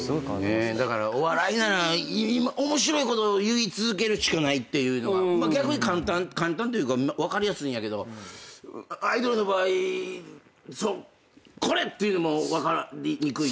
だからお笑いなら面白いことを言い続けるしかないというのが逆に簡単簡単というか分かりやすいんやけどアイドルの場合これ！っていうのも分かりにくいとこが。